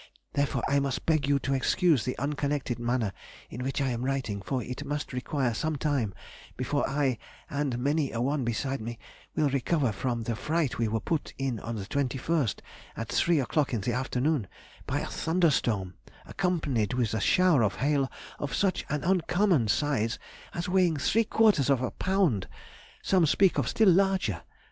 therefore I must beg you to excuse the unconnected manner in which I am writing, for it must require some time before I, and many a one beside me, will recover from the fright we were put in on the 21st, at three o'clock in the afternoon, by a thunderstorm, accompanied with a shower of hail of such an uncommon size as weighing three quarters of a pound; some speak of still larger.